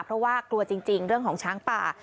เพราะว่ากลัวจริงเรื่องของช้างป่า